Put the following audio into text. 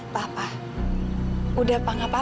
papa udah apa apa